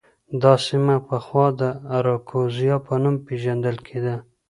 دا سیمه پخوا د اراکوزیا په نوم پېژندل کېده.